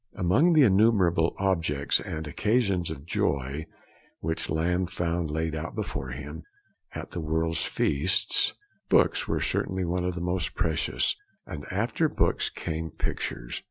Among the innumerable objects and occasions of joy which Lamb found laid out before him, at the world's feast, books were certainly one of the most precious, and after books came pictures.